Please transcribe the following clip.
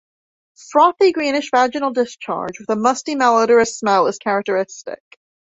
'Frothy', greenish vaginal discharge with a 'musty' malodorous smell is characteristic.